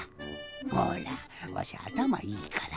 ほらわしあたまいいから。